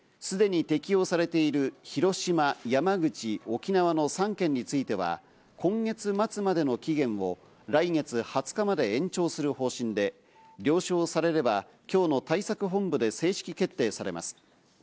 すでに適用されている広島、山口、沖縄の３県については、今月末までの期限を来月２０日まで延長する方針で、了承されれば今日の対策本部で正式決定されます。